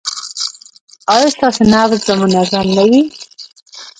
ایا ستاسو نبض به منظم نه وي؟